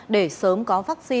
để sớm có vaccine